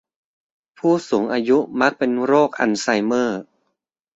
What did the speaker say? ผู้สูงอายุมักเป็นโรคอัลไซเมอร์